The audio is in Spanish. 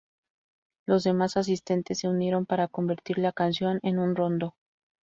Los demás asistentes se unieron para convertir la canción en un rondó.